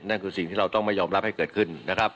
นั่นคือสิ่งที่เราต้องไม่ยอมรับให้เกิดขึ้นนะครับ